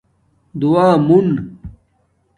دُعا مݸن